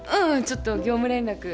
ちょっと業務連絡。